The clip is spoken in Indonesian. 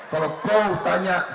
kalau kau tanya